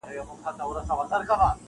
ستا و سپینو ورځو ته که شپې د کابل واغوندم-